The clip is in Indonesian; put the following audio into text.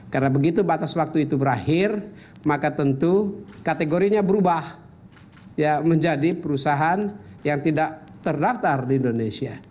karena begitu batas waktu itu berakhir maka tentu kategorinya berubah menjadi perusahaan yang tidak terdaftar di indonesia